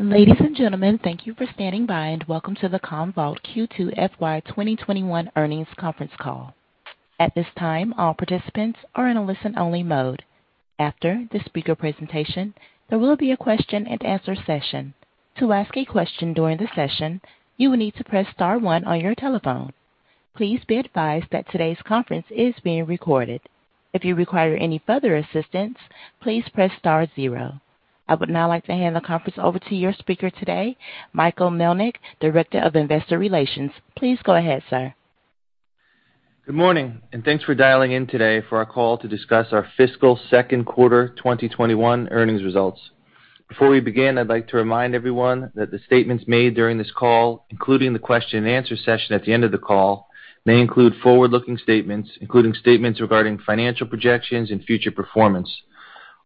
Ladies and gentlemen, thank you for standing by, and welcome to the Commvault Q2 FY 2021 Earnings Conference Call. At this time, all participants are in a listen-only mode. After the speaker presentation, there will be a question-and-answer session. To ask a question during the session, you will need to press star one on your telephone. Please be advised that today's conference is being recorded. If you require any further assistance, please press star zero. I would now like to hand the conference over to your speaker today, Michael Melnyk, Director of Investor Relations. Please go ahead, sir. Good morning, thanks for dialing in today for our call to discuss our fiscal second quarter 2021 earnings results. Before we begin, I'd like to remind everyone that the statements made during this call, including the question-and-answer session at the end of the call, may include forward-looking statements, including statements regarding financial projections and future performance.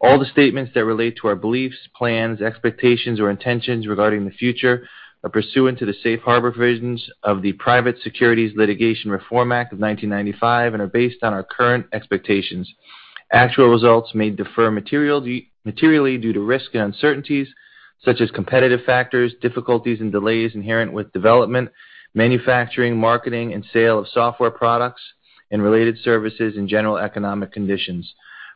All the statements that relate to our beliefs, plans, expectations, or intentions regarding the future are pursuant to the safe harbor provisions of the Private Securities Litigation Reform Act of 1995 and are based on our current expectations. Actual results may differ materially due to risks and uncertainties such as competitive factors, difficulties and delays inherent with the development, manufacturing, marketing, and sale of software products and related services, and general economic conditions.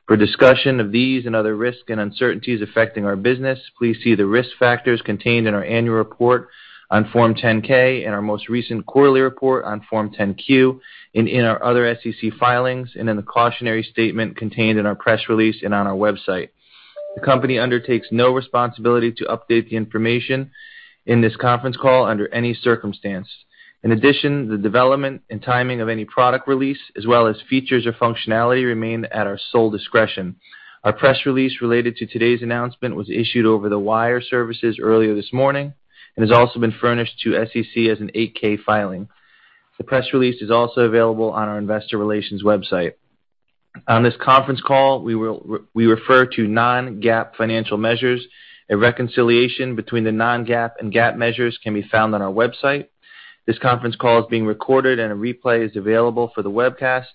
For discussion of these and other risks and uncertainties affecting our business, please see the risk factors contained in our annual report on Form 10-K and our most recent quarterly report on Form 10-Q, and in our other SEC filings, and in the cautionary statement contained in our press release and on our website. The company undertakes no responsibility to update the information in this conference call under any circumstance. In addition, the development and timing of any product release, as well as features or functionality, remain at our sole discretion. Our press release related to today's announcement was issued over the wire services earlier this morning and has also been furnished to the SEC as an 8-K filing. The press release is also available on our investor relations website. On this conference call, we refer to non-GAAP financial measures. A reconciliation between the non-GAAP and GAAP measures can be found on our website. This conference call is being recorded and a replay is available for the webcast.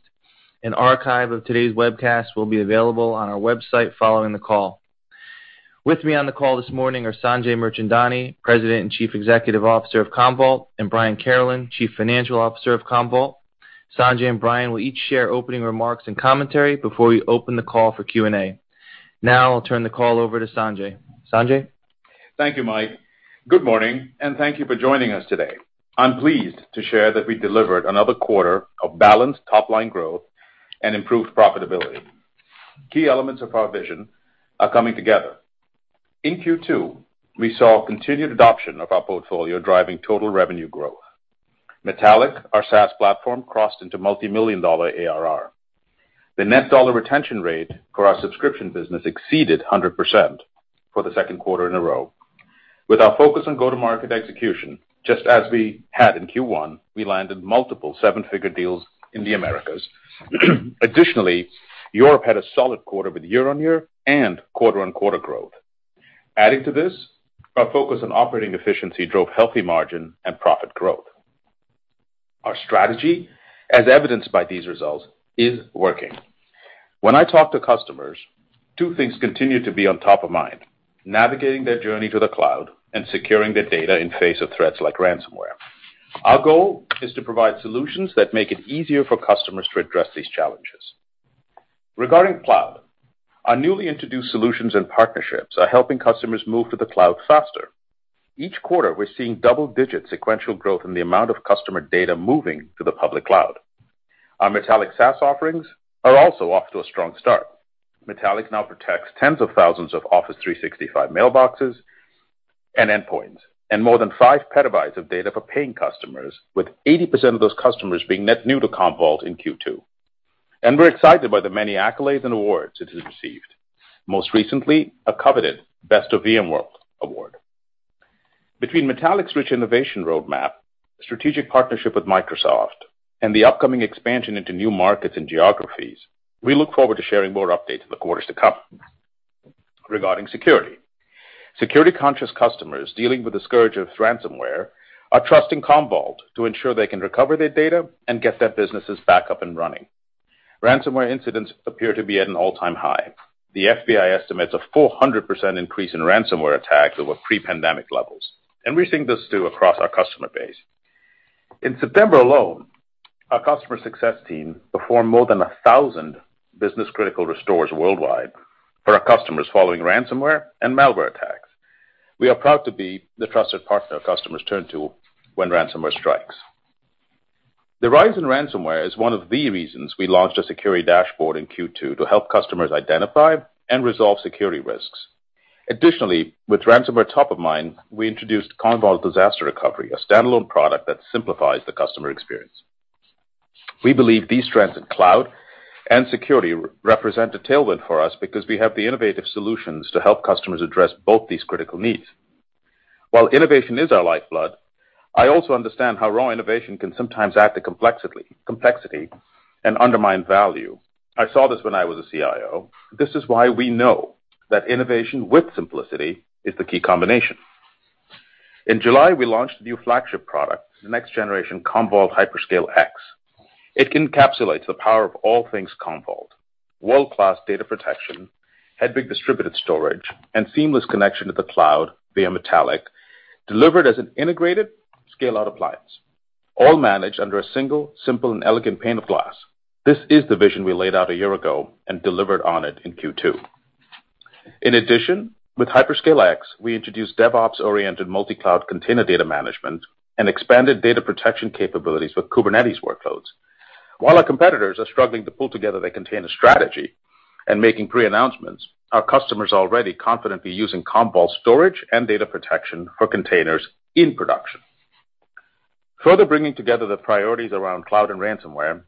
An archive of today's webcast will be available on our website following the call. With me on the call this morning are Sanjay Mirchandani, President and Chief Executive Officer of Commvault, and Brian Carolan, Chief Financial Officer of Commvault. Sanjay and Brian will each share opening remarks and commentary before we open the call for Q&A. Now I'll turn the call over to Sanjay. Sanjay? Thank you, Mike. Good morning, and thank you for joining us today. I'm pleased to share that we delivered another quarter of balanced top-line growth and improved profitability. Key elements of our vision are coming together. In Q2, we saw continued adoption of our portfolio driving total revenue growth. Metallic, our SaaS platform, crossed into multimillion-dollar ARR. The net dollar retention rate for our subscription business exceeded 100% for the second quarter in a row. With our focus on go-to-market execution, just as we had in Q1, we landed multiple seven-figure deals in the Americas. Additionally, Europe had a solid quarter with year-on-year and quarter-on-quarter growth. Adding to this, our focus on operating efficiency drove healthy margin and profit growth. Our strategy, as evidenced by these results, is working. When I talk to customers, two things continue to be on their minds: navigating their journey to the cloud and securing their data in the face of threats like ransomware. Our goal is to provide solutions that make it easier for customers to address these challenges. Regarding cloud, our newly introduced solutions and partnerships are helping customers move to the cloud faster. Each quarter, we're seeing double-digit sequential growth in the amount of customer data moving to the public cloud. Our Metallic SaaS offerings are also off to a strong start. Metallic now protects tens of thousands of Office 365 mailboxes and endpoints and more than five petabytes of data for paying customers, with 80% of those customers being net new to Commvault in Q2. We're excited by the many accolades and awards it has received. Most recently, a coveted Best of VMworld Award. Between Metallic's rich innovation roadmap, strategic partnership with Microsoft, and the upcoming expansion into new markets and geographies, we look forward to sharing more updates in the quarters to come. Regarding security-conscious customers dealing with the scourge of ransomware, they are trusting Commvault to ensure they can recover their data and get their businesses back up and running. Ransomware incidents appear to be at an all-time high. The FBI estimates a 400% increase in ransomware attacks over pre-pandemic levels, and we're seeing this too across our customer base. In September alone, our customer success team performed more than 1,000 business-critical restores worldwide for our customers following ransomware and malware attacks. We are proud to be the trusted partner customers turn to when ransomware strikes. The rise in ransomware is one of the reasons we launched a security dashboard in Q2 to help customers identify and resolve security risks. Additionally, with ransomware top of mind, we introduced Commvault Disaster Recovery, a standalone product that simplifies the customer experience. We believe these trends in cloud and security represent a tailwind for us because we have the innovative solutions to help customers address both these critical needs. While innovation is our lifeblood, I also understand how raw innovation can sometimes add to complexity and undermine value. I saw this when I was a CIO. This is why we know that innovation with simplicity is the key combination. In July, we launched a new flagship product, the next generation Commvault HyperScale X. It encapsulates the power of all things Commvault, world-class data protection, Hedvig distributed storage, and seamless connection to the cloud via Metallic, delivered as an integrated scale-out appliance, all managed under a single, simple, and elegant pane of glass. This is the vision we laid out a year ago and delivered on it in Q2. In addition, with HyperScale X, we introduced DevOps-oriented multi-cloud container data management and expanded data protection capabilities with Kubernetes workloads. While our competitors are struggling to pull together their container strategy and making pre-announcements, our customers are already confidently using Commvault storage and data protection for containers in production. Further bringing together the priorities around cloud and ransomware,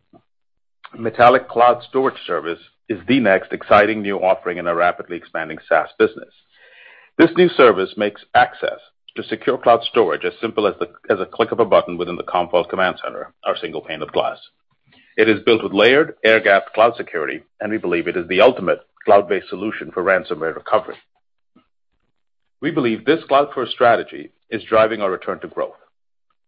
Metallic Cloud Storage Service is the next exciting new offering in our rapidly expanding SaaS business. This new service makes access to secure cloud storage as simple as the click of a button within the Commvault Command Center, our single pane of glass. It is built with layered, air-gapped cloud security, and we believe it is the ultimate cloud-based solution for ransomware recovery. We believe this cloud-first strategy is driving our return to growth.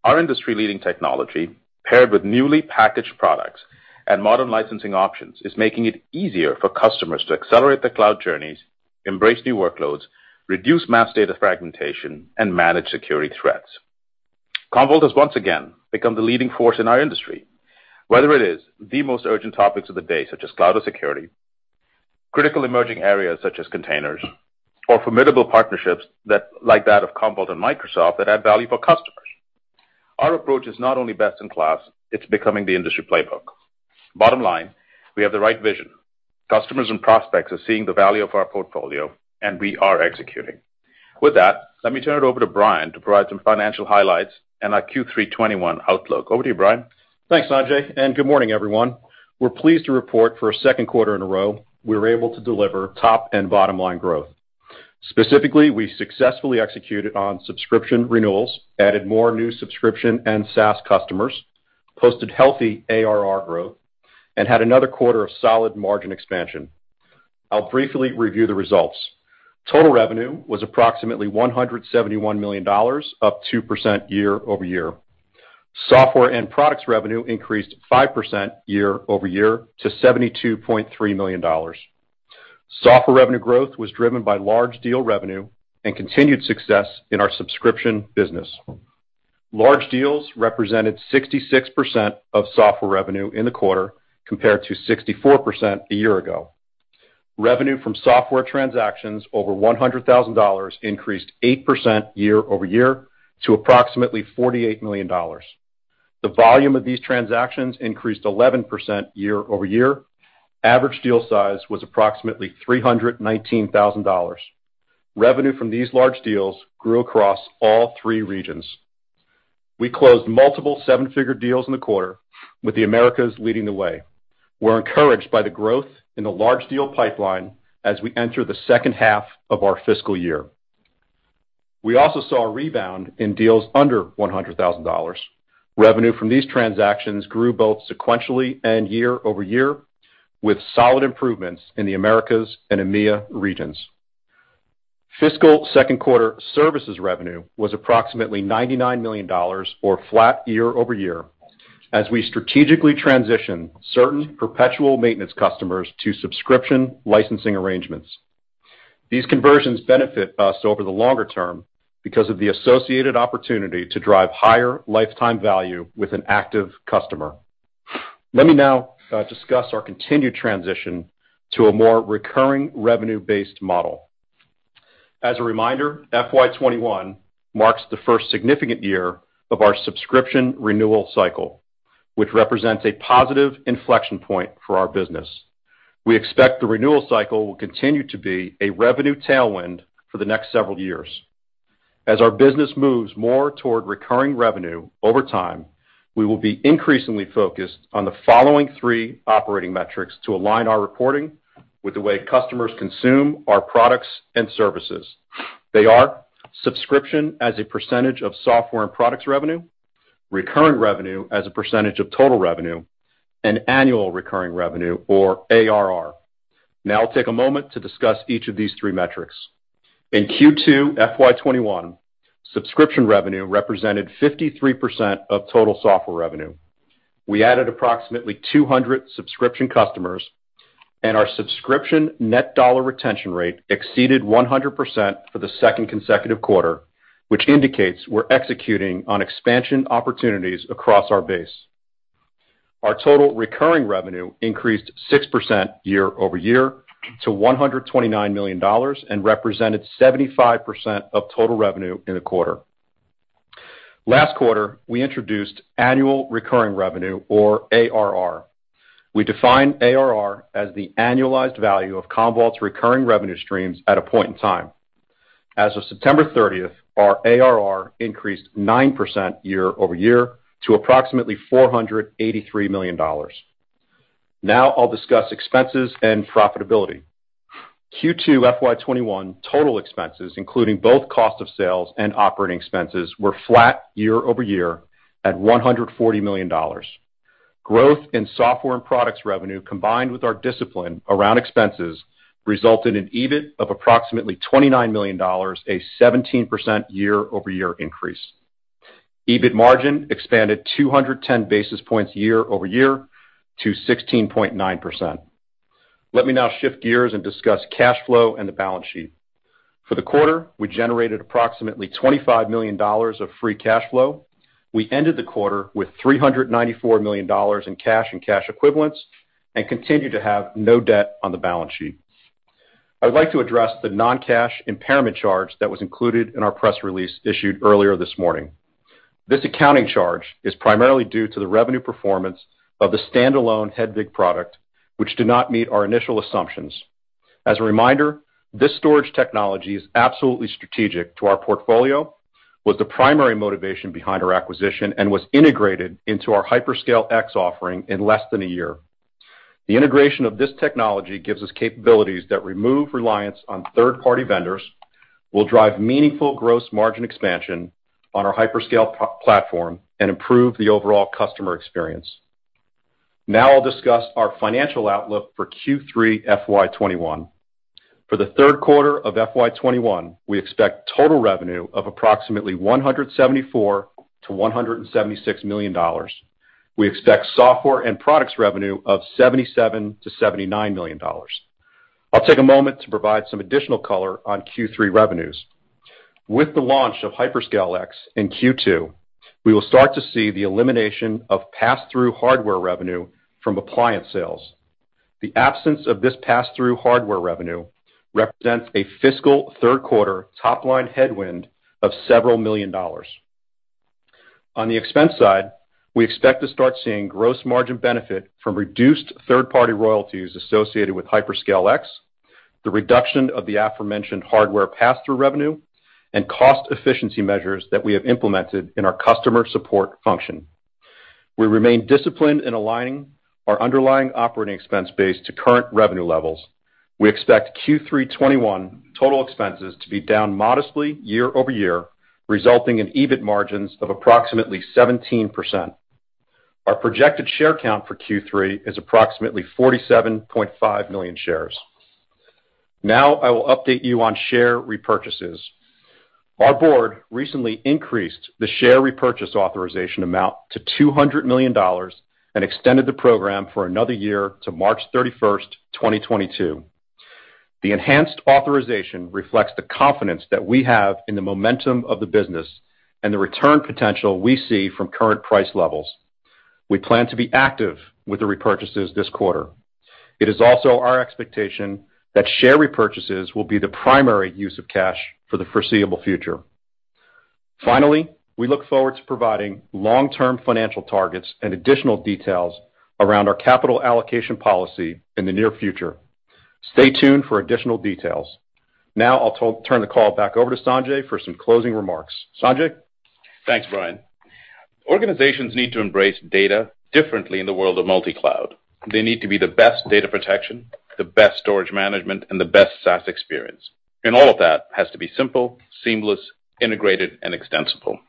Our industry-leading technology, paired with newly packaged products and modern licensing options, is making it easier for customers to accelerate their cloud journeys, embrace new workloads, reduce mass data fragmentation, and manage security threats. Commvault has once again become the leading force in our industry. Whether it is the most urgent topics of the day, such as cloud or security, critical emerging areas such as containers, or formidable partnerships like that of Commvault and Microsoft that add value for customers. Our approach is not only best in class, it's becoming the industry playbook. Bottom line, we have the right vision. Customers and prospects are seeing the value of our portfolio, and we are executing. With that, let me turn it over to Brian to provide some financial highlights and our Q3 2021 outlook. Over to you, Brian. Thanks, Sanjay, and good morning, everyone. We're pleased to report that for a second quarter in a row, we were able to deliver top- and bottom-line growth. Specifically, we successfully executed on subscription renewals, added more new subscription and SaaS customers, posted healthy ARR growth, and had another quarter of solid margin expansion. I'll briefly review the results. Total revenue was approximately $171 million, up 2% year-over-year. Software and products revenue increased 5% year-over-year to $72.3 million. Software revenue growth was driven by large deal revenue and continued success in our subscription business. Large deals represented 66% of software revenue in the quarter, compared to 64% a year ago. Revenue from software transactions over $100,000 increased 8% year-over-year to approximately $48 million. The volume of these transactions increased 11% year-over-year. Average deal size was approximately $319,000. Revenue from these large deals grew across all three regions. We closed multiple seven-figure deals in the quarter, with the Americas leading the way. We're encouraged by the growth in the large deal pipeline as we enter the second half of our fiscal year. We also saw a rebound in deals under $100,000. Revenue from these transactions grew both sequentially and year-over-year, with solid improvements in the Americas and EMEIA regions. Fiscal second quarter services revenue was approximately $99 million, or flat year-over-year, as we strategically transitioned certain perpetual maintenance customers to subscription licensing arrangements. These conversions benefit us over the longer term because of the associated opportunity to drive higher lifetime value with an active customer. Let me now discuss our continued transition to a more recurring revenue-based model. As a reminder, FY 2021 marks the first significant year of our subscription renewal cycle, which represents a positive inflection point for our business. We expect the renewal cycle will continue to be a revenue tailwind for the next several years. As our business moves more toward recurring revenue over time, we will be increasingly focused on the following three operating metrics to align our reporting with the way customers consume our products and services. They are subscription as a percentage of software and products revenue, recurring revenue as a percentage of total revenue, and annual recurring revenue, or ARR. I'll take a moment to discuss each of these three metrics. In Q2 FY 2021, subscription revenue represented 53% of total software revenue. We added approximately 200 subscription customers, and our subscription net dollar retention rate exceeded 100% for the second consecutive quarter, which indicates we're executing on expansion opportunities across our base. Our total recurring revenue increased 6% year-over-year to $129 million and represented 75% of total revenue in the quarter. Last quarter, we introduced annual recurring revenue, or ARR. We define ARR as the annualized value of Commvault's recurring revenue streams at a point in time. As of September 30th, our ARR increased 9% year-over-year to approximately $483 million. Now I'll discuss expenses and profitability. Q2 FY 2021 total expenses, including both cost of sales and operating expenses, were flat year-over-year at $140 million. Growth in software and products revenue, combined with our discipline around expenses, resulted in EBIT of approximately $29 million, a 17% year-over-year increase. EBIT margin expanded 210 basis points year-over-year to 16.9%. Let me now shift gears and discuss cash flow and the balance sheet. For the quarter, we generated approximately $25 million of free cash flow. We ended the quarter with $394 million in cash and cash equivalents and continue to have no debt on the balance sheet. I'd like to address the non-cash impairment charge that was included in our press release issued earlier this morning. This accounting charge is primarily due to the revenue performance of the standalone Hedvig product, which did not meet our initial assumptions. As a reminder, this storage technology is absolutely strategic to our portfolio, was the primary motivation behind our acquisition, and was integrated into our HyperScale X offering in less than a year. The integration of this technology gives us capabilities that remove reliance on third-party vendors, will drive meaningful gross margin expansion on our HyperScale platform, and improve the overall customer experience. Now I'll discuss our financial outlook for Q3 FY 2021. For the third quarter of FY 2021, we expect total revenue of approximately $174 million-$176 million. We expect software and products revenue of $77 million-$79 million. I'll take a moment to provide some additional color on Q3 revenues. With the launch of HyperScale X in Q2, we will start to see the elimination of pass-through hardware revenue from appliance sales. The absence of this pass-through hardware revenue represents a fiscal third-quarter top-line headwind of several million dollars. On the expense side, we expect to start seeing gross margin benefit from reduced third-party royalties associated with HyperScale X, the reduction of the aforementioned hardware pass-through revenue, and cost efficiency measures that we have implemented in our customer support function. We remain disciplined in aligning our underlying operating expense base to current revenue levels. We expect Q3 2021 total expenses to be down modestly year-over-year, resulting in EBIT margins of approximately 17%. Our projected share count for Q3 is approximately 47.5 million shares. Now I will update you on share repurchases. Our board recently increased the share repurchase authorization amount to $200 million and extended the program for another year to March 31st, 2022. The enhanced authorization reflects the confidence that we have in the momentum of the business and the return potential we see from current price levels. We plan to be active with the repurchases this quarter. It is also our expectation that share repurchases will be the primary use of cash for the foreseeable future. Finally, we look forward to providing long-term financial targets and additional details around our capital allocation policy in the near future. Stay tuned for additional details. Now I'll turn the call back over to Sanjay for some closing remarks. Sanjay? Thanks, Brian. Organizations need to embrace data differently in the world of multi-cloud. They need to be the best data protection, the best storage management, and the best SaaS experience. All of that has to be simple, seamless, integrated, and extensible.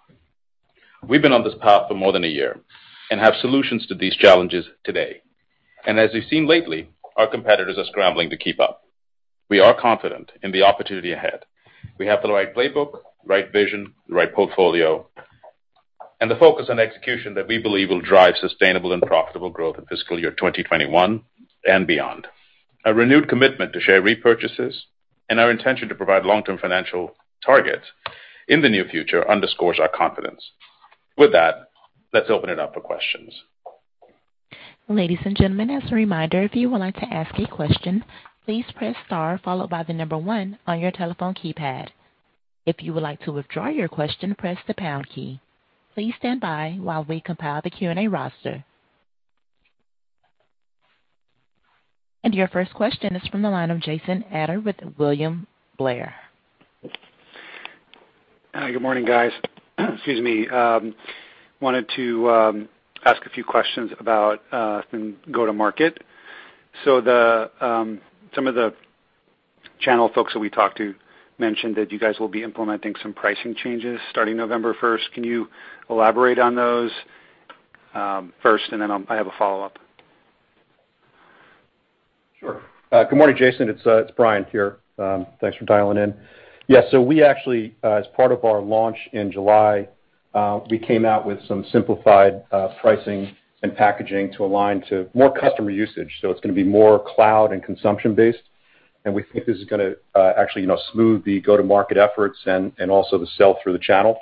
We've been on this path for more than a year and have solutions to these challenges today. As you've seen lately, our competitors are scrambling to keep up. We are confident in the opportunity ahead. We have the right playbook, the right vision, the right portfolio, and the focus on execution that we believe will drive sustainable and profitable growth in fiscal year 2021 and beyond. A renewed commitment to share repurchases and our intention to provide long-term financial targets in the near future underscore our confidence. With that, let's open it up for questions. Ladies and gentlemen, as a reminder, if you would like to ask a question, please press star followed by the number one on your telephone keypad. If you would like to withdraw your question, press the pound key. Please stand by while we compile the Q&A roster. Your first question is from the line of Jason Ader with William Blair. Good morning, guys. Excuse me. Wanted to ask a few questions about go-to-market. Some of the channel folks that we talked to mentioned that you guys will be implementing some pricing changes starting November 1st. Can you elaborate on those first, and then I have a follow-up? Sure. Good morning, Jason. It's Brian here. Thanks for dialing in. Yeah. We actually, as part of our launch in July, came out with some simplified pricing and packaging to align with more customer usage. It's going to be more cloud- and consumption-based, and we think this is going to actually smooth the go-to-market efforts and also the sell-through of the channel.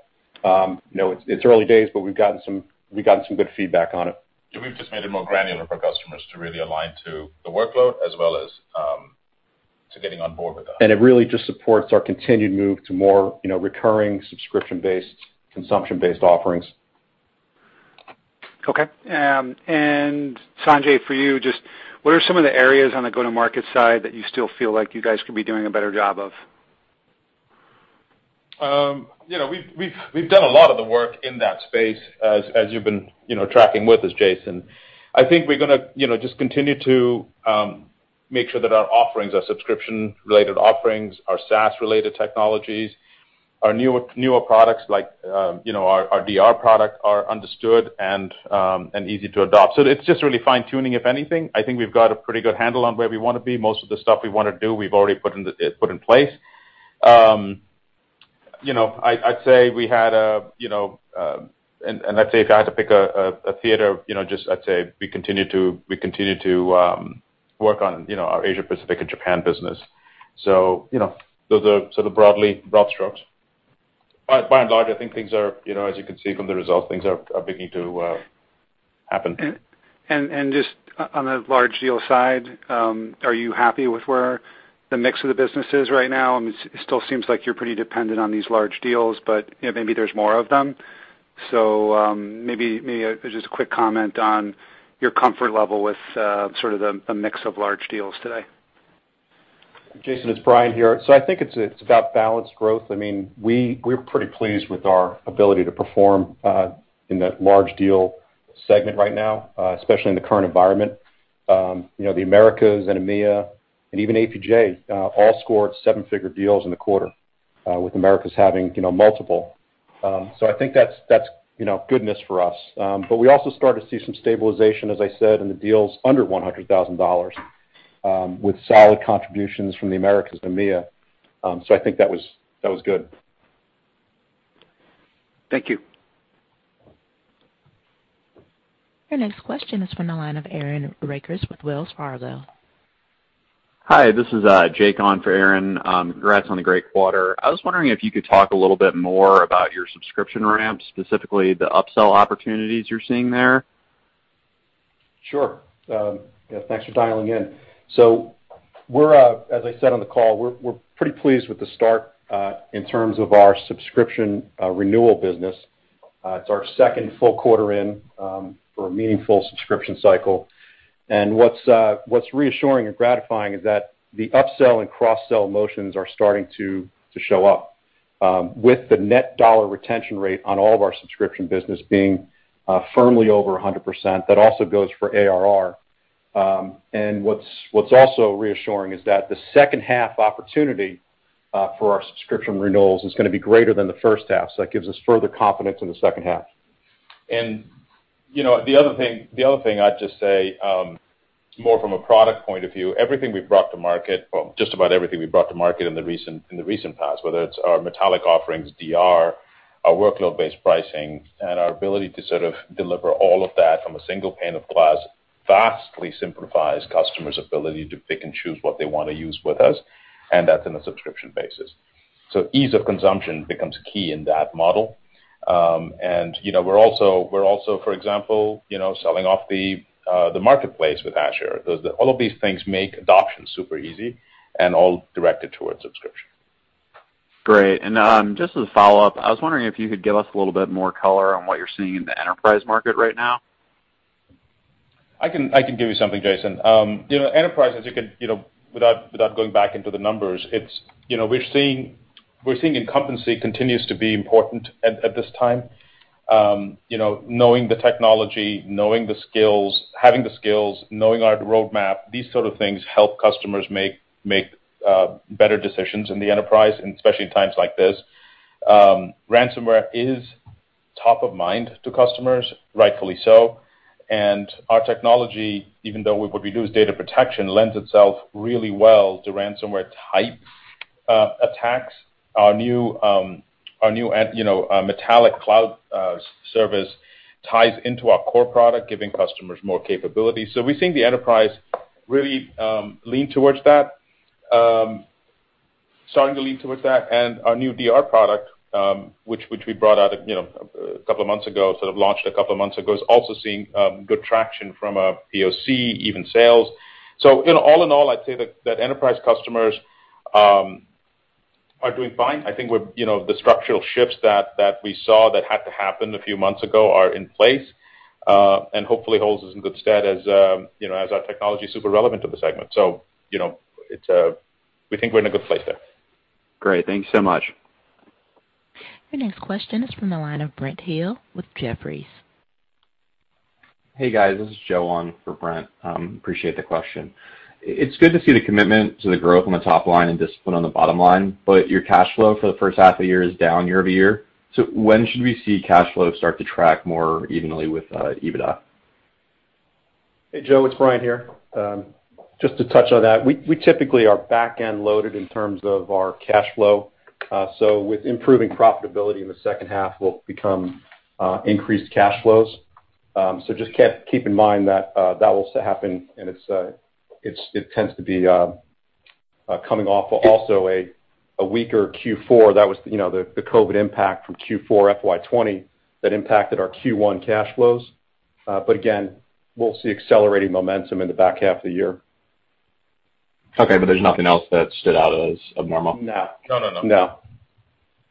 It's early days, but we've gotten some good feedback on it. Yeah, we've just made it more granular for customers to really align to the workload as well as to getting on board with that. It really just supports our continued move to more recurring subscription-based, consumption-based offerings. Okay. Sanjay, for you, just what are some of the areas on the go-to-market side that you still feel like you guys could be doing a better job of? We've done a lot of the work in that space as you've been tracking with us, Jason. I think we're going to just continue to Make sure that our offerings are subscription-related offerings, our SaaS-related technologies, and our newer products like our DR product are understood and easy to adopt. It's just really fine-tuning, if anything. I think we've got a pretty good handle on where we want to be. Most of the stuff we want to do, we've already put in place. I'd say if I had to pick a theater, I'd say we continue to work on our Asia Pacific and Japan business. Those are sort of broad strokes. By and large, I think, as you can see from the results, things are beginning to happen. Just on the large deal side, are you happy with where the mix of the business is right now? It still seems like you're pretty dependent on these large deals, but maybe there are more of them. Maybe just a quick comment on your comfort level with sort of the mix of large deals today. Jason, it's Brian here. I think it's about balanced growth. We're pretty pleased with our ability to perform in that large deal segment right now, especially in the current environment. The Americas and EMEA and even APJ, all scored seven-figure deals in the quarter, with the Americas having multiple. I think that's goodness for us. But we also started to see some stabilization, as I said, in the deals under $100,000, with solid contributions from the Americas and EMEA. I think that was good. Thank you. Your next question is from the line of Aaron Rakers with Wells Fargo. Hi, this is Jake on for Aaron. Congrats on the great quarter. I was wondering if you could talk a little bit more about your subscription ramp, specifically the upsell opportunities you're seeing there. Sure. Yeah, thanks for dialing in. As I said on the call, we're pretty pleased with the start in terms of our subscription renewal business. It's our second full quarter in for a meaningful subscription cycle. What's reassuring and gratifying is that the upsell and cross-sell motions are starting to show up, with the net dollar retention rate on all of our subscription business being firmly over 100%. That also goes for ARR. What's also reassuring is that the second half opportunity for our subscription renewals is going to be greater than the first half. That gives us further confidence in the second half. The other thing I'd just say, more from a product point of view, is that everything we've brought to market, well, just about everything we've brought to market in the recent past, whether it's our Metallic offerings, DR, our workload-based pricing, or our ability to sort of deliver all of that from a single pane of glass, vastly simplifies customers' ability to pick and choose what they want to use with us, and that's on a subscription basis. Ease of consumption becomes key in that model. We're also, for example, selling off the marketplace with Azure. All of these things make adoption super easy and all directed towards subscription. Great. Just as a follow-up, I was wondering if you could give us a little bit more color on what you're seeing in the enterprise market right now? I can give you something, Jason. Enterprise, without going back into the numbers, we're seeing incumbency continues to be important at this time. Knowing the technology, knowing the skills, having the skills, and knowing our roadmap—these sorts of things help customers make better decisions in the enterprise, especially in times like this. Ransomware is top of mind to customers, rightfully so. Our technology, even though what we do is data protection, lends itself really well to ransomware-type attacks. Our new Metallic cloud service ties into our core product, giving customers more capability. We're seeing the enterprise really lean towards that, starting to lean towards that. Our new DR product, which we brought out a couple of months ago, sort of launched a couple of months ago, is also seeing good traction from a POC, even sales. All in all, I'd say that enterprise customers are doing fine. I think the structural shifts that we saw that had to happen a few months ago are in place and hopefully hold us in good stead as our technology is super relevant to the segment. We think we're in a good place there. Great. Thank you so much. Your next question is from the line of Brent Thill with Jefferies. Hey, guys, this is Joe on for Brent. Appreciate the question. It's good to see the commitment to the growth on the top line and discipline on the bottom line. Your cash flow for the first half of the year is down year-over-year. When should we see cash flow start to track more evenly with EBITDA? Hey, Joe, it's Brian here. Just to touch on that, we typically are back-end loaded in terms of our cash flow. With improving profitability in the second half, we'll have increased cash flows. Just keep in mind that will happen, and it tends to be coming off also a weaker Q4. That was the COVID impact from Q4 FY 2020 that impacted our Q1 cash flows. Again, we'll see accelerating momentum in the back half of the year. Okay, there's nothing else that stood out as abnormal? No. No, no. No.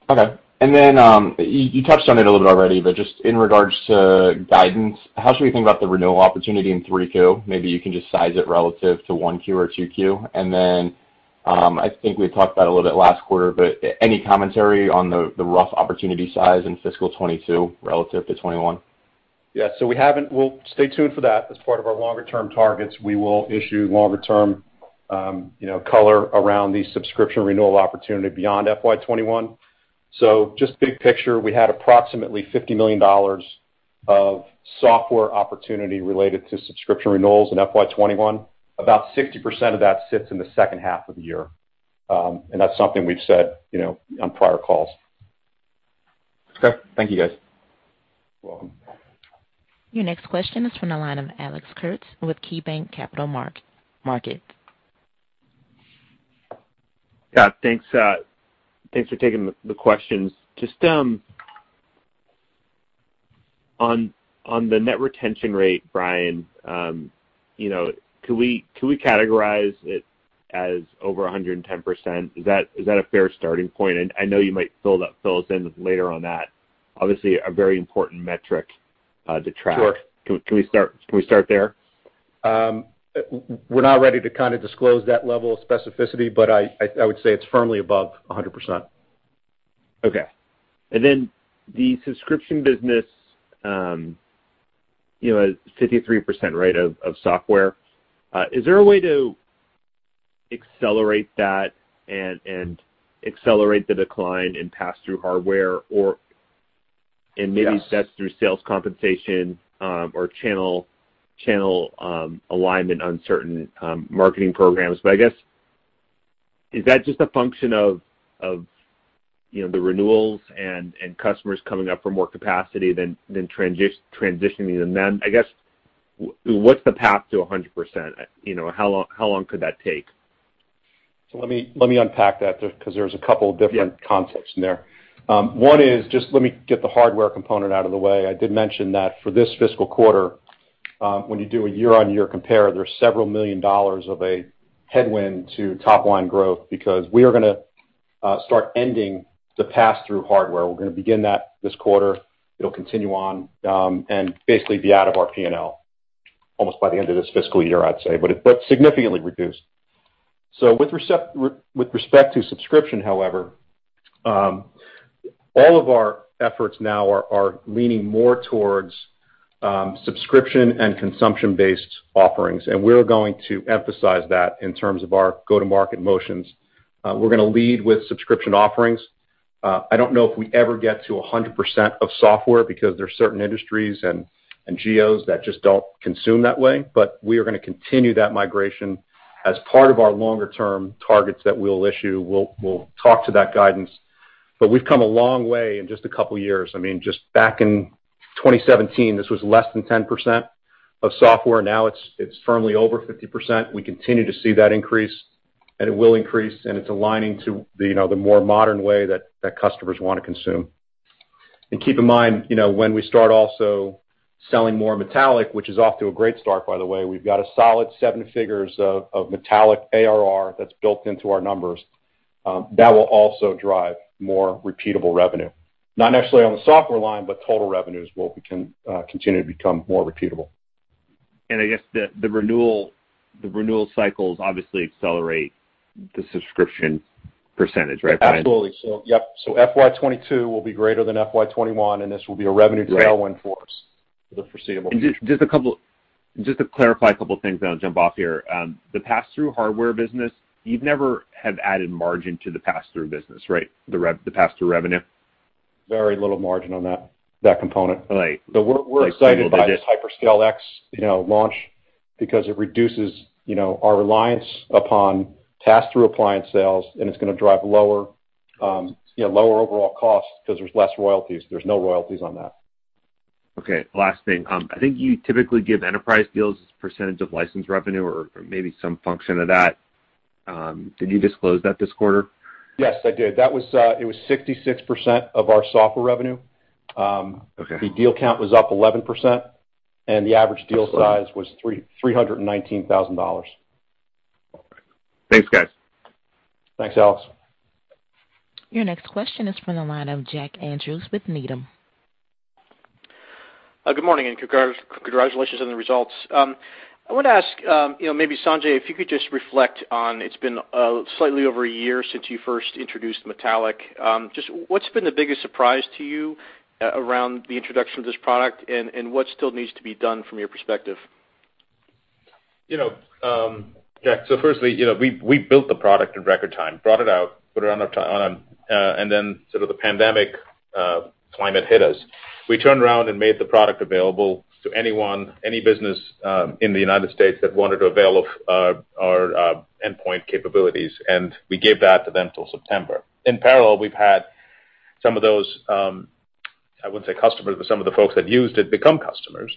Okay. You touched on it a little bit already, but just in regards to guidance, how should we think about the renewal opportunity in 3Q? Maybe you can just size it relative to 1Q or 2Q. I think we talked about it a little bit last quarter, but any commentary on the rough opportunity size in fiscal 2022 relative to 2021? Yes. We'll stay tuned for that as part of our longer-term targets. We will issue longer-term color around the subscription renewal opportunity beyond FY 2021. Just big picture, we had approximately $50 million of software opportunity related to subscription renewals in FY 2021. About 60% of that sits in the second half of the year. That's something we've said on prior calls. Okay. Thank you, guys. You're welcome. Your next question is from the line of Alex Kurtz with KeyBanc Capital Markets. Yeah, thanks for taking the questions. Just on the net retention rate, Brian, can we categorize it as over 110%? Is that a fair starting point? I know you might fill us in later on that. Obviously, a very important metric to track. Sure. Can we start there? We're not ready to disclose that level of specificity, but I would say it's firmly above 100%. Okay. The subscription business, with a 53% rate of software, is there a way to accelerate that and accelerate the decline in pass-through hardware? Yes Maybe that's through sales compensation or channel alignment on certain marketing programs. I guess, is that just a function of the renewals and customers coming up for more capacity, then transitioning to them? I guess, what's the path to 100%? How long could that take? Let me unpack that because there's a couple— Yeah ...concepts in there. One is, just let me get the hardware component out of the way. I did mention that for this fiscal quarter, when you do a year-on-year comparison, there's several million dollars of a headwind to top-line growth because we are going to start ending the pass-through hardware. We're going to begin that this quarter. It'll continue on and basically be out of our P&L almost by the end of this fiscal year, I'd say. Significantly reduced. With respect to subscription, however, all of our efforts now are leaning more towards subscription and consumption-based offerings, and we're going to emphasize that in terms of our go-to-market motions. We're going to lead with subscription offerings. I don't know if we ever get to 100% of software because there are certain industries and geos that just don't consume that way. We are going to continue that migration as part of our longer-term targets that we'll issue. We'll talk to that guidance. We've come a long way in just a couple of years. Just back in 2017, this was less than 10% of software. Now it's firmly over 50%. We continue to see that increase. It will increase, and it's aligning to the more modern way that customers want to consume. Keep in mind, when we start also selling more Metallic, which is off to a great start, by the way, we've got a solid seven figures of Metallic ARR that's built into our numbers. That will also drive more repeatable revenue, not necessarily on the software line, but total revenues will continue to become more repeatable. I guess the renewal cycles obviously accelerate the subscription percentage, right, Brian? Absolutely. Yep. FY 2022 will be greater than FY 2021, and this will be a revenue— Right ...tailwind for us for the foreseeable future. Just to clarify a couple of things, then I'll jump off here. The pass-through hardware business—you'd never have added margin to the pass-through business, right? The pass-through revenue. Very little margin on that component. Right. We're excited— Like a little bit. ...by this HyperScale X launch because it reduces our reliance upon pass-through appliance sales, and it's going to drive lower overall costs because there's less royalties. There's no royalty on that. Okay. Last thing. I think you typically give enterprise deals as a percent of license revenue or maybe some function of that. Did you disclose that this quarter? Yes, I did. It was 66% of our software revenue. Okay. The deal count was up 11%, and the average deal size— Excellent ...was $319,000. All right. Thanks, guys. Thanks, Alex. Your next question is from the line of Jack Andrews with Needham. Good morning, and congratulations on the results. I wanted to ask maybe Sanjay, if you could just reflect on, it's been slightly over a year since you first introduced Metallic. Just what's been the biggest surprise to you around the introduction of this product, and what still needs to be done from your perspective? Jack, firstly, we built the product in record time, brought it out, put it on, and then sort of the pandemic climate hit us. We turned around and made the product available to anyone, any business in the United States that wanted to avail of our endpoint capabilities, and we gave that to them till September. In parallel, we've had some of those, I wouldn't say customers, but some of the folks that used it become customers.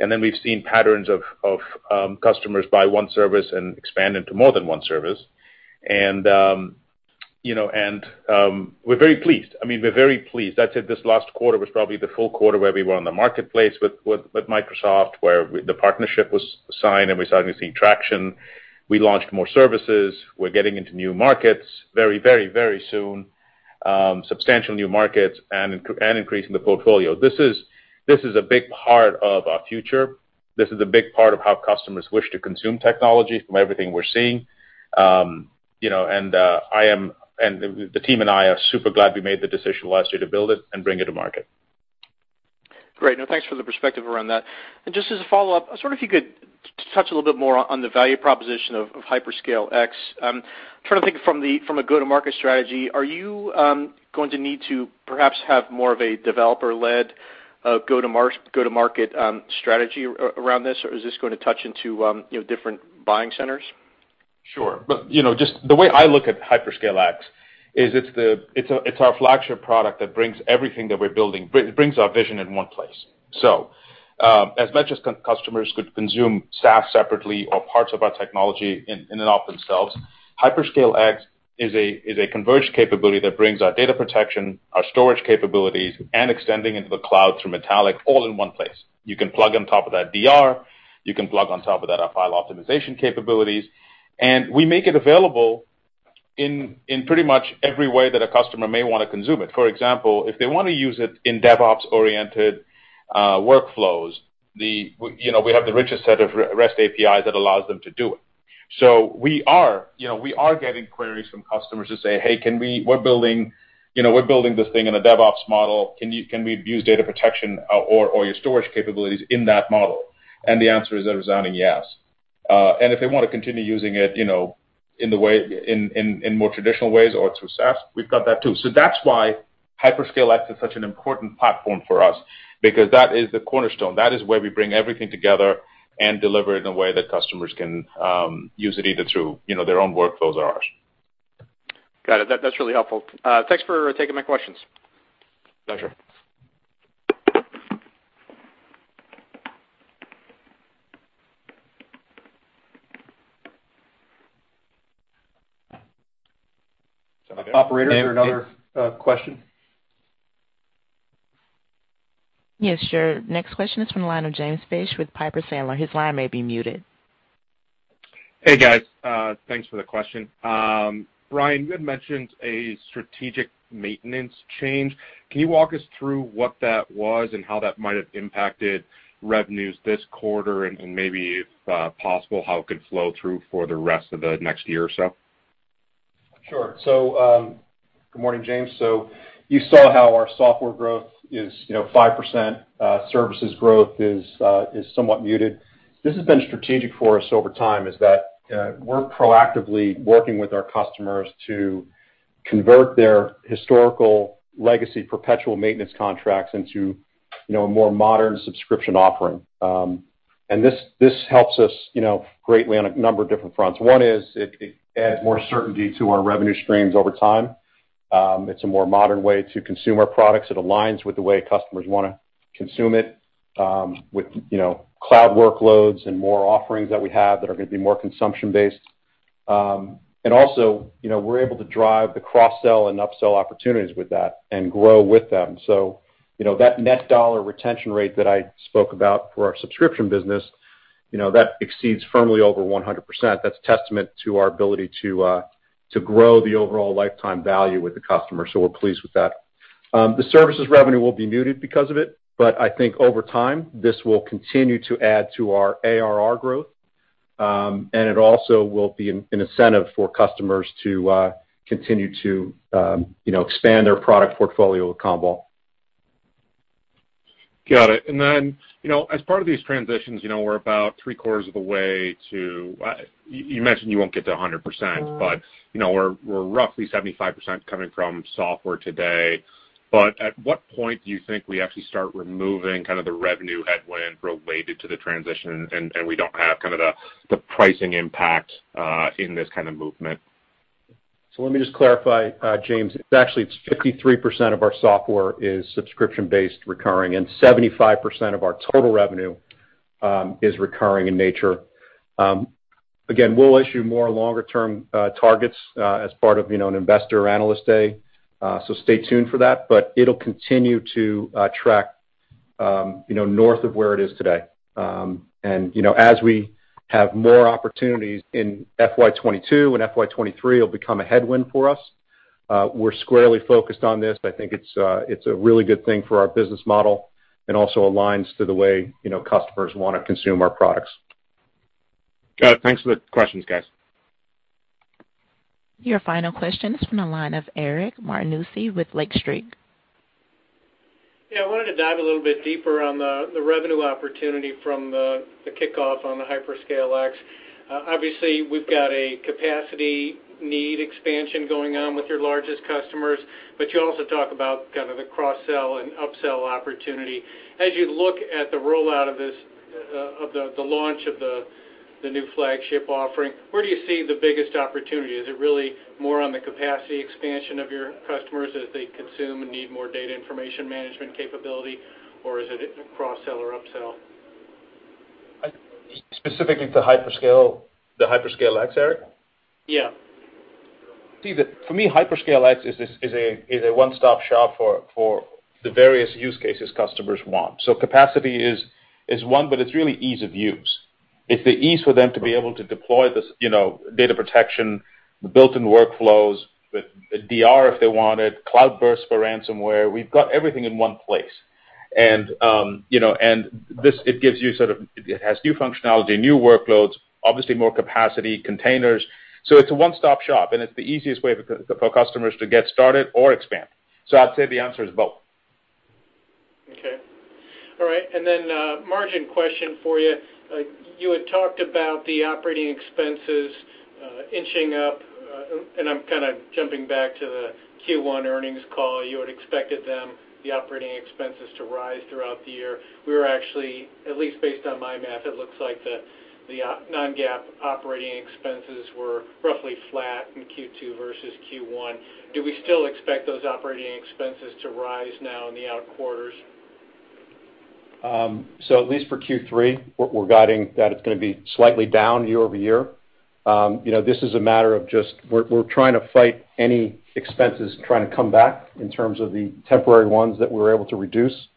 We've seen patterns of customers buy one service and expand into more than one service. We're very pleased. That said, this last quarter was probably the full quarter where we were on the marketplace with Microsoft, where the partnership was signed, and we're starting to see traction. We launched more services. We're getting into new markets very, very soon, substantial new markets, and increasing the portfolio. This is a big part of our future. This is a big part of how customers wish to consume technology from everything we're seeing. The team and I are super glad we made the decision last year to build it and bring it to market. Great. Now Thanks for the perspective around that. Just as a follow-up, I just wonder if you could touch a little bit more on the value proposition of HyperScale X. I'm trying to think from a go-to-market strategy, are you going to need to perhaps have more of a developer-led go-to-market strategy around this? Is this going to touch on different buying centers? Sure. The way I look at HyperScale X is it's our flagship product that brings everything that we're building, brings our vision in one place. As much as customers could consume SaaS separately or parts of our technology in and of themselves, HyperScale X is a converged capability that brings our data protection, our storage capabilities, and extending into the cloud through Metallic all in one place. You can plug on top of that DR, you can plug on top of that our file optimization capabilities. We make it available in pretty much every way that a customer may want to consume it. For example, if they want to use it in DevOps-oriented workflows, we have the richest set of REST APIs that allows them to do it. We are getting queries from customers who say, Hey, we're building this thing in a DevOps model. Can we use data protection or your storage capabilities in that model? The answer is a resounding yes. If they want to continue using it in more traditional ways or through SaaS, we've got that too. That's why HyperScale X is such an important platform for us, because that is the cornerstone. That is where we bring everything together and deliver it in a way that customers can use it either through their own workflows or ours. Got it. That's really helpful. Thanks for taking my questions. Pleasure. Operator, is there another question? Yes, sure. Next question is from the line of James Fish with Piper Sandler. His line may be muted. Hey, guys. Thanks for the question. Brian, you had mentioned a strategic maintenance change. Can you walk us through what that was and how that might have impacted revenues this quarter and maybe, if possible, how it could flow through for the rest of the next year or so? Sure. Good morning, James. You saw how our software growth is 5%, and services growth is somewhat muted. This has been strategic for us over time, in that we're proactively working with our customers to convert their historical legacy perpetual maintenance contracts into a more modern subscription offering. This helps us greatly on a number of different fronts. One is that it adds more certainty to our revenue streams over time. It's a more modern way to consume our products. It aligns with the way customers want to consume it, with cloud workloads and more offerings that we have that are going to be more consumption-based. Also, we're able to drive the cross-sell and up-sell opportunities with that and grow with them. That net dollar retention rate that I spoke about for our subscription business firmly exceeds 100%. That's a testament to our ability to grow the overall lifetime value with the customer. We're pleased with that. The services revenue will be muted because of it, but I think over time, this will continue to add to our ARR growth. It also will be an incentive for customers to continue to expand their product portfolio with Commvault. Got it. As part of these transitions, we're about three-quarters of the way to—You mentioned you won't get to 100%, but we're roughly 75% coming from software today. At what point do you think we actually start removing the revenue headwind related to the transition, and we don't have the pricing impact in this kind of movement? Let me just clarify, James. It's actually 53% of our software is subscription-based and recurring, and 75% of our total revenue is recurring in nature. Again, we'll issue more longer-term targets as part of an Investor Analyst Day, so stay tuned for that, but it'll continue to track north of where it is today. As we have more opportunities in FY 2022 and FY 2023, it'll become a headwind for us. We're squarely focused on this. I think it's a really good thing for our business model and also aligns with the way customers want to consume our products. Got it. Thanks for the questions, guys. Your final question is from the line of Eric Martinuzzi with Lake Street. Yeah, I wanted to dive a little bit deeper on the revenue opportunity from the kickoff on the HyperScale X. Obviously, we've got a capacity need expansion going on with your largest customers, but you also talk about the cross-sell and up-sell opportunity. As you look at the rollout of the launch of the new flagship offering, where do you see the biggest opportunity? Is it really more on the capacity expansion of your customers as they consume and need more data information management capability, or is it a cross-sell or up-sell? Specifically to the HyperScale X, Eric? Yeah. See, for me, HyperScale X is a one-stop shop for the various use cases customers want. Capacity is one, but it's really ease of use. It's the ease for them to be able to deploy this data protection, the built-in workflows with DR if they want it, and cloud burst for ransomware. We've got everything in one place. It has new functionality, new workloads, obviously more capacity, and containers. It's a one-stop shop, and it's the easiest way for customers to get started or expand. I'd say the answer is both. Okay. All right. A margin question for you. You had talked about the operating expenses inching up. I'm jumping back to the Q1 earnings call. You had expected the operating expenses to rise throughout the year. We were actually, at least based on my math, it looks like the non-GAAP operating expenses were roughly flat in Q2 versus Q1. Do we still expect those operating expenses to rise now in the outer quarters? At least for Q3, we're guiding that it's going to be slightly down year-over-year. This is a matter of just trying to fight any expenses trying to come back in terms of the temporary ones that we were able to reduce,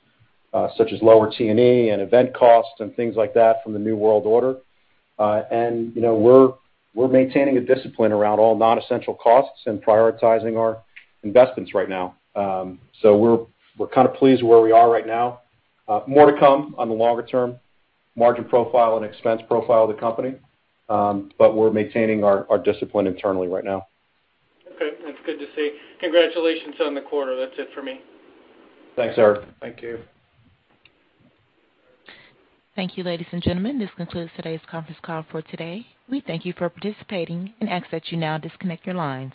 such as lower T&E and event costs and things like that from the new world order. We're maintaining a discipline around all non-essential costs and prioritizing our investments right now. We're kind of pleased where we are right now. More to come on the longer-term margin profile and expense profile of the company, but we're maintaining our discipline internally right now. Okay. That's good to see. Congratulations on the quarter. That's it for me. Thanks, Eric. Thank you. Thank you, ladies and gentlemen. This concludes today's conference call for today. We thank you for participating and ask that you now disconnect your lines.